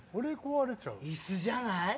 椅子じゃない？